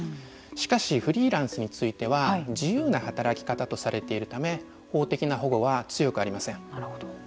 しかしフリーランスについては自由な働き方とされているため法的な保護は強くありません。